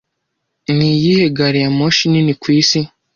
Niyihe gariyamoshi nini ku isi